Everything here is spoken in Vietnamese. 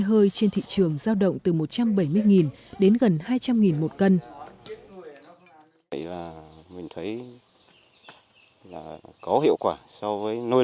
hơi trên thị trường giao động từ một trăm bảy mươi đến gần hai trăm linh một cân